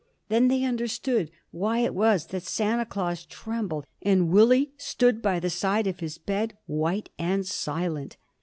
Then they understood why it was that Santa Claus trembled; and Willie stood by the side of his bed, white and silent.